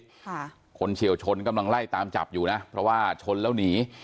ค่ะคนเฉียวชนกำลังไล่ตามจับอยู่นะเพราะว่าชนแล้วหนี